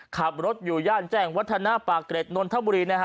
ขับรถอยู่ย่านแจ้งวัฒนาปากเกร็ดนนทบุรีนะฮะ